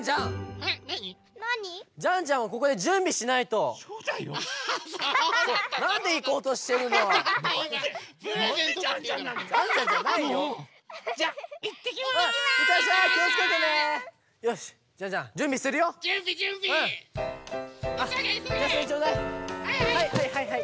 はいはいはいはい。